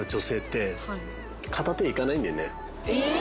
え！